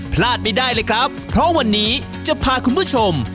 พลาดไม่ได้เลยครับเพราะวันนี้จะพาคุณผู้ชม